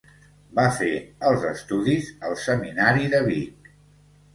Va fer els estudis al Seminari de Vic.